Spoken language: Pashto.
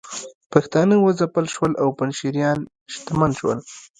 پښتانه وځپل شول او پنجشیریان شتمن شول